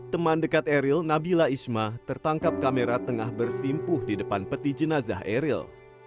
teman dekat eril nabila isma tertangkap kamera tengah bersimpuh di depan peti jenazah eril